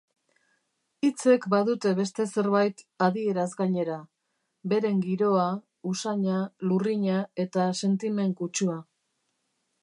Hitzek badute beste zerbait, adieraz gainera: beren giroa, usaina, lurrina eta sentimen kutsua.